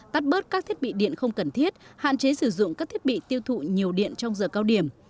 tắt bớt các thiết bị điện không cần thiết hạn chế sử dụng các thiết bị tiêu thụ nhiều điện trong giờ cao điểm